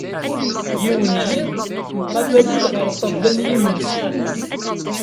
Yiwen n yiḍ mqabalen-d ɣer ṭṭabla n yimensi.